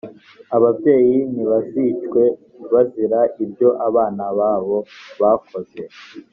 ababyeyi ntibazicwe bazira ibyo abana babo bakoze,